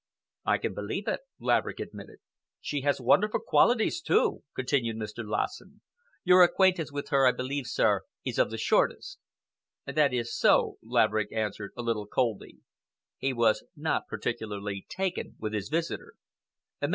"I can believe it," Laverick admitted. "She has wonderful qualities, too," continued Mr. Lassen. "Your acquaintance with her, I believe, sir, is of the shortest." "That is so," Laverick answered, a little coldly. He was not particularly taken with his visitor.